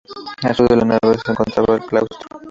Al sur de la nave se encontraba el claustro.